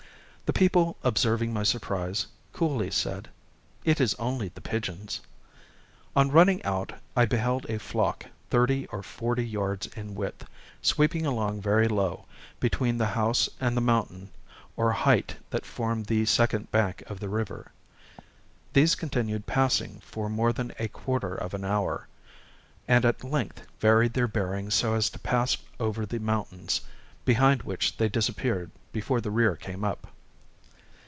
The people observing my surprise, coolly said, 'It is only the pigeons!' On running out I beheld a flock, thirty or forty yards in width, sweeping along very low, between the house and the mountain or height that formed the second bank of the river. These continued passing for more than a quarter of an hour, and at length varied their bearing so as to pass over the mountains, behind which they disappeared before the rear came up.